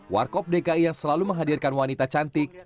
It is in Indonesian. warkop dki yang selalu menghadirkan wanita cantik